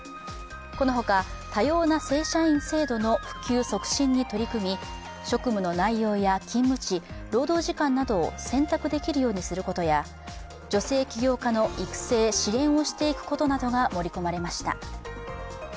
このほか、多様な正社員制度の普及促進に取り組み職務内容や勤務地労働時間などを選択できるようにすることなどや女性起業家の育成・支援をしていくことなどが盛り込まれました。